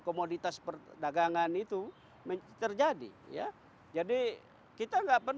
komoditas perdagangan itu menjadi terjadi ya jadi kita